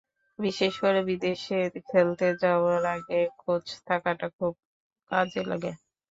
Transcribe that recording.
বিশেষ করে বিদেশে খেলতে যাওয়ার আগে কোচ থাকাটা খুব কাজে লাগে।